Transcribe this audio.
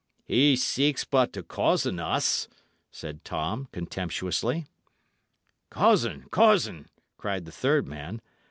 "He seeks but to cozen us," said Tom, contemptuously. "Cozen! cozen!" cried the third man.